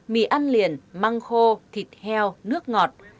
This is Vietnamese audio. mì ăn liền măng khô thịt heo nước ngọt